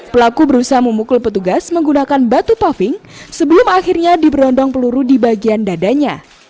pelaku berusaha memukul petugas menggunakan batu paving sebelum akhirnya diberondong peluru di bagian dadanya